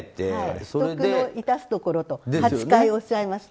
不徳の致すところと８回おっしゃいました。